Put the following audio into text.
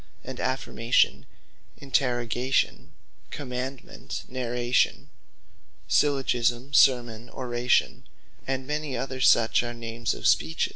And Affirmation, Interrogation, Commandement, Narration, Syllogisme, Sermon, Oration, and many other such, are names of Speeches.